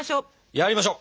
やりましょ！